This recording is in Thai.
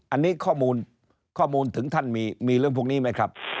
อันนี้ข้อมูลข้อมูลถึงท่านมีเรื่องพวกนี้ไหมครับ